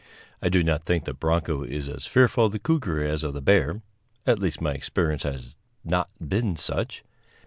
I do not think the bronco is as fearful of the cougar as of the bear, at least my experience has not been such.